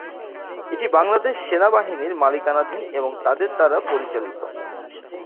এটি বাংলাদেশ সেনাবাহিনীর মালিকানাধীন এবং তাদের দ্বারা পরিচালিত।